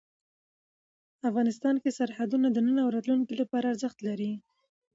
افغانستان کې سرحدونه د نن او راتلونکي لپاره ارزښت لري.